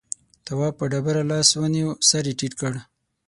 تواب په ډبره لاس ونيو سر يې ټيټ کړ.